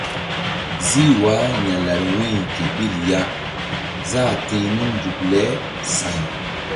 Zih wah ya̧lari wu̧y ke ɓil ya záh ti̧h nun nzuk le saŋ.